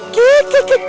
hih hih hih